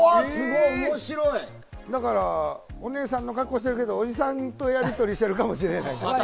だからお姉さんの格好をしているけどおじさんとやり取りしてるかもしれない。